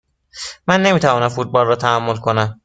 من نمی توانم فوتبال را تحمل کنم.